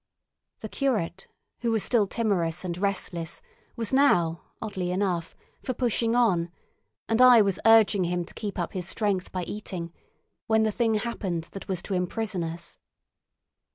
The curate, who was still timorous and restless, was now, oddly enough, for pushing on, and I was urging him to keep up his strength by eating when the thing happened that was to imprison us.